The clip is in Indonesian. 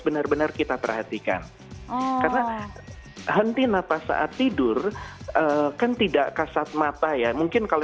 benar benar kita perhatikan karena henti nafas saat tidur kan tidak kasat mata ya mungkin kalau